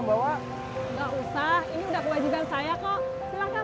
gak usah ini udah kewajiban saya kok